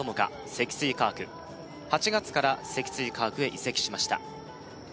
積水化学８月から積水化学へ移籍しました